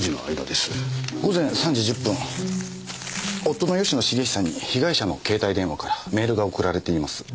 午前３時１０分夫の吉野茂久に被害者の携帯電話からメールが送られています。